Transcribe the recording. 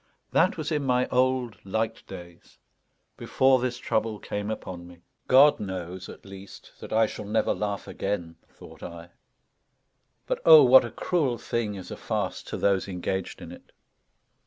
That was in my old light days, before this trouble came upon me. God knows at least that I shall never laugh again, thought I. But oh, what a cruel thing is a farce to those engaged in it!